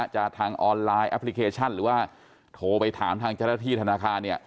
จะทางออนไลน์แอปพลิเคชันหรือว่าโทรไปถามทางเจราชีธนาคาร